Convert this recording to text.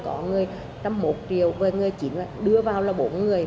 có người một trăm linh một triệu và người chỉ đưa vào là bốn người